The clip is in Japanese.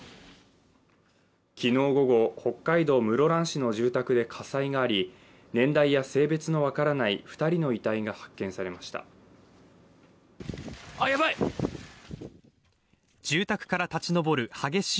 昨日午後、北海道室蘭市の住宅で火災があり年代や性別の分からない２人の遺体が発見されました。